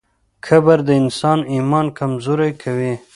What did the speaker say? کبر د انسان ایمان کمزوری کوي.